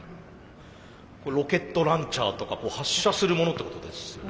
これロケットランチャーとか発射するものってことですよね。